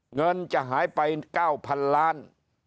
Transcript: เงินจะหายไป๙๐๐๐ล้าน